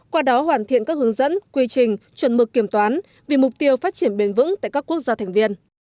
qua đó hoàn thiện các hướng dẫn quy trình chuẩn mực kiểm toán vì mục tiêu phát triển bền vững tại các quốc gia thành viên